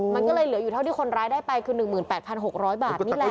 มันก็เลยเหลืออยู่เท่าที่คนร้ายได้ไปคือ๑๘๖๐๐บาทนี่แหละ